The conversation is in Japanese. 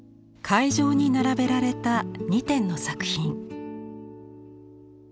会場に並べられた２点の作品。